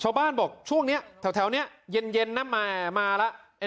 ชาวบ้านบอกช่วงนี้แถวนี้เย็นนะแหมมาแล้ว